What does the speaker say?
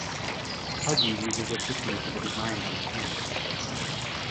Huggies uses a system for the designs on their pants.